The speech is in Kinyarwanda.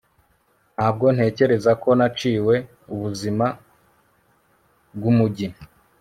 ntabwo ntekereza ko naciwe ubuzima bwumujyi